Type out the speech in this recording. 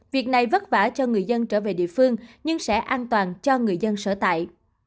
việc này vất vả cho người dân trở về địa phương nhưng sẽ an toàn cho người dân sở tại